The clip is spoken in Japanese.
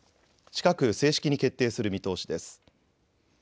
近く正式に決定する見通しです。